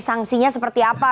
sanksinya seperti apa